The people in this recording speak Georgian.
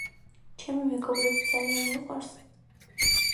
ჩემი მეგობრები ძალიან მიყვარს